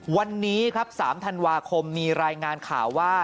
วันนี้ครับ๓ธันวาคมมีรายงานข่าวว่า